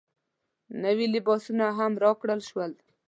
نوي لباسونه هم راکړل شول.